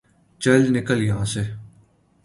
چل نکل یہا سے ـ